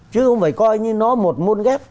chứ không phải coi như nó một môn ghép